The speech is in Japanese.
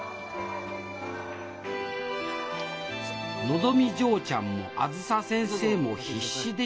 のぞみ嬢ちゃんもあづさ先生も必死でした。